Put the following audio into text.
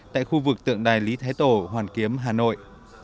tại khu vực tượng đài lý thái tổ hoàn kiếm hà nội